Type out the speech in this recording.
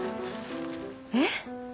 えっ！？